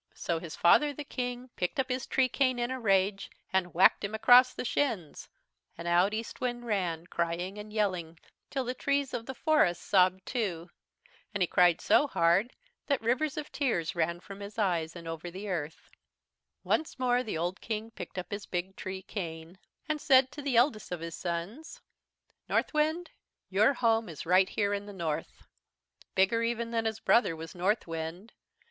So his father the King picked up his tree cane in a rage and whacked him across the shins, and out Eastwind ran, crying and yelling till the trees of the forests sobbed too. And he cried so hard that rivers of tears ran from his eyes and over the earth. "Once more the old King picked up his big tree cane, and said to the eldest of his sons: "'Northwind, your home is right here in the North.' "Bigger even than his brother was Northwind.